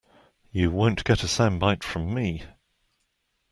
You won’t get a soundbite from me.